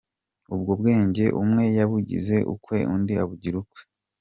Ubwo bwenge umwe yabugize ukwe undi abugira ukwe.